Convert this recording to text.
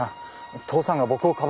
父さんが僕をかばうだなんて。